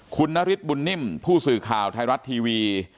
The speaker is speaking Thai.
คุณนฤทธิบุญนิ่มผู้สื่อข่าวไทยรัฐทีวี